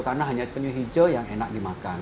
karena hanya penyu hijau yang enak dimakan